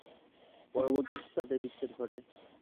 পরবর্তীতে তাদের বিচ্ছেদ ঘটে।